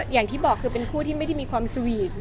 อเรนนี่มีมุมเม้นท์อย่างนี้ได้เห็นอีกไหมคะแล้วแต่สถานการณ์ค่ะ